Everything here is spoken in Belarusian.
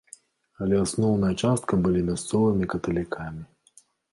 Але асноўная частка былі мясцовымі каталікамі.